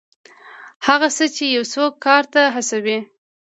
هغه څه چې یو څوک کار ته هڅوي.